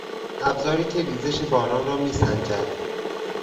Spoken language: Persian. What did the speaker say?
ابزاری که ریزش باران را میسنجد